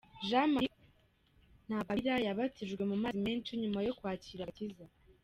Jean Marie Ntagwabira yabatijwe mu mazi menshi nyuma yo kwakira agakiza.